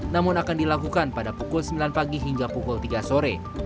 namun akan dilakukan pada pukul sembilan pagi hingga pukul tiga sore